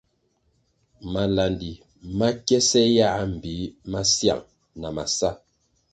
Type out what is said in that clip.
Malandi ma kiese yãh mbpi masiang na masá.